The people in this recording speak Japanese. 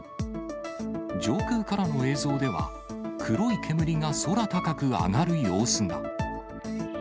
上空からの映像では、黒い煙が空高く上がる様子が。